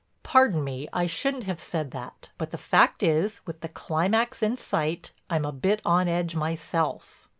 "Pardon me, I shouldn't have said that, but the fact is, with the climax in sight, I'm a bit on edge myself."